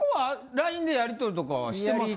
ＬＩＮＥでやり取りとかはしてますか？